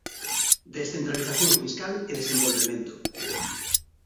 Descentralización fiscal e desenvolvemento.